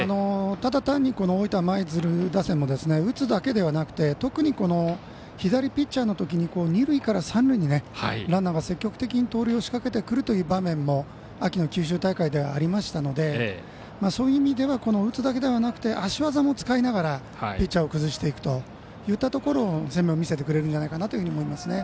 ただ単に、大分舞鶴打線も打つだけではなくて特に、左ピッチャーのときに二塁から三塁にランナーが積極的に盗塁を仕掛けてくるという場面も秋の九州大会ではありましたのでそういう意味では打つだけではなく足技も使いながらピッチャーを崩していくといったところもそういった攻めを見せてくれるんじゃないかなと思います。